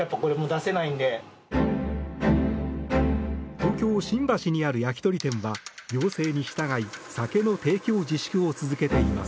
東京・新橋にある焼き鳥店は要請に従い酒の提供自粛を続けています。